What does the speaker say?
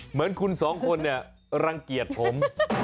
เหมือนคุณสองคนรังเกียจผม